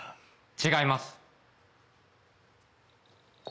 違います。